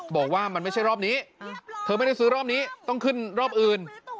บอกว่ามันไม่ใช่รอบนี้เธอไม่ได้ซื้อรอบนี้ต้องขึ้นรอบอื่น